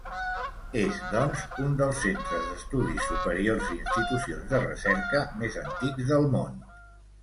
És, doncs, un dels centres d'estudis superiors i institucions de recerca més antics del món.